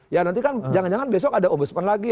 ya nanti kan jangan jangan besok ada ombudsman lagi